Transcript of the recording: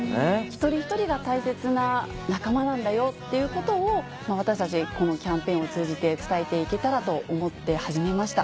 一人一人が大切な仲間なんだよっていうことを私たちこのキャンペーンを通じて伝えていけたらと思って始めました。